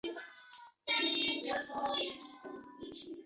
道光十二年十月初八日因张丙民变事件而阵亡殉职。